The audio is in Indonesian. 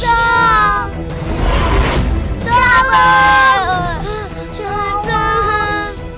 kamu bisa jadiin keras